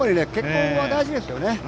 結婚は大事ですよね